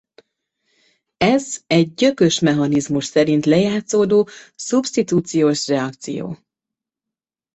Ez egy gyökös mechanizmus szerint lejátszódó szubsztitúciós reakció.